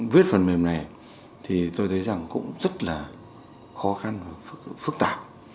viết phần mềm này thì tôi thấy rằng cũng rất là khó khăn và phức tạp